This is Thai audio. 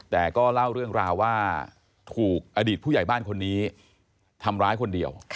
แต่ก็เล่าเรื่องราวว่าถูกอดีตผู้ใหญ่บ้านคนนี้ทำร้ายคนเดียว